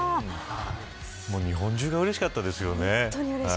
日本中がうれしかったですよね。